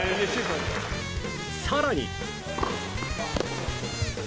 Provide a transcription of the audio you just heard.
更に。